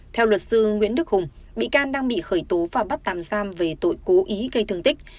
theo luật sư nguyễn đức hùng bị can đang bị khởi tố và bắt tạm giam về tội cố ý gây thương tích